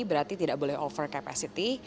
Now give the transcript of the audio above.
berarti tidak boleh over capacity